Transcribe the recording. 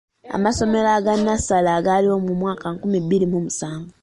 Amasomero aga nnassale agaaliwo mu mwaka gwa nkumi bbiri mu musanvu.